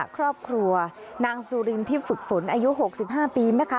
ครอบครัวนางซูลินที่ฝึกฝนอายุ๖๕ปีไหมคะ